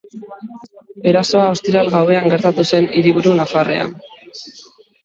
Erasoa ostiral gauean gertatu zen hiriburu nafarrean.